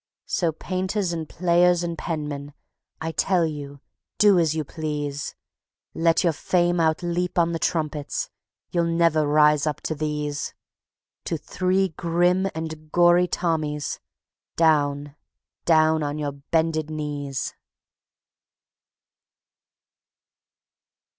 So painters, and players, and penmen, I tell you: Do as you please; Let your fame outleap on the trumpets, you'll never rise up to these To three grim and gory Tommies, down, down on your bended knees!